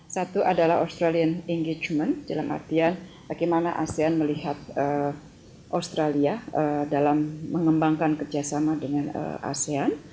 satu adalah australian engagement dalam artian bagaimana asean melihat australia dalam mengembangkan kerjasama dengan asean